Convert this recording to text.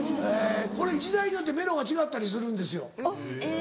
これ時代によってメロが違ったりするんですよ。